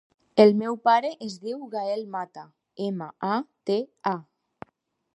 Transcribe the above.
El meu pare es diu Gaël Mata: ema, a, te, a.